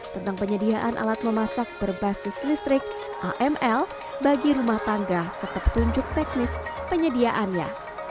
tentang penyediaan alat memasak berbasis listrik aml bagi rumah tangga serta petunjuk teknis penyediaannya